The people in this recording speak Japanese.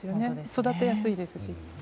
育てやすいですし。